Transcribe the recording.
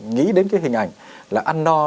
nghĩ đến cái hình ảnh là ăn no